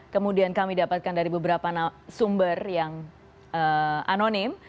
kemudian kami dapatkan dari beberapa sumber yang anonim